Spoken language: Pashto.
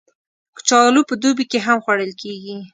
کچالو په دوبی کې هم خوړل کېږي